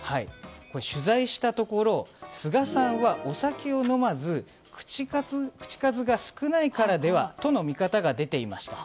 取材したところ菅さんはお酒を飲まず口数が少ないからでは？との見方が出ていました。